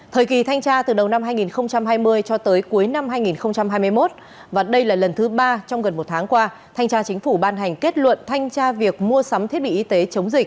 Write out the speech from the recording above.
thời kỳ thanh tra từ đầu năm hai nghìn hai mươi cho tới cuối năm hai nghìn hai mươi một và đây là lần thứ ba trong gần một tháng qua thanh tra chính phủ ban hành kết luận thanh tra việc mua sắm thiết bị y tế chống dịch